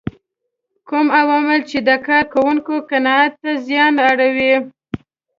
کوم عوامل چې د کار کوونکو قناعت ته زیان اړوي.